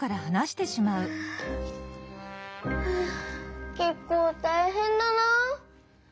ふっけっこうたいへんだな。